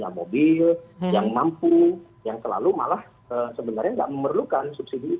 yang mampu yang terlalu malah sebenarnya nggak memerlukan subsidi itu